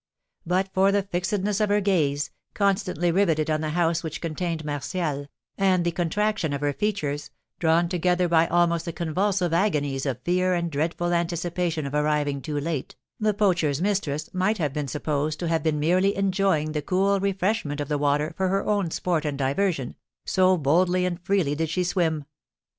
But for the fixedness of her gaze, constantly riveted on the house which contained Martial, and the contraction of her features, drawn together by almost the convulsive agonies of fear and dreadful anticipation of arriving too late, the poacher's mistress might have been supposed to have been merely enjoying the cool refreshment of the water for her own sport and diversion, so boldly and freely did she swim.